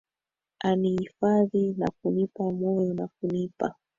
aniifadhi na kunipa moyo na kunipa